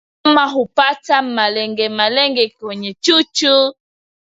Wanyama hupata malengelenge kwenye chuchu